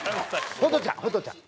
ホトちゃんホトちゃん。